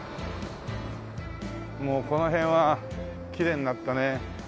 もうこの辺はきれいになったね。